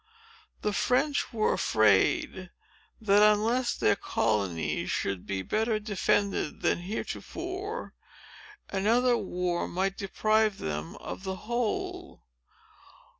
The French were afraid, that, unless their colonies should be better defended than heretofore, another war might deprive them of the whole.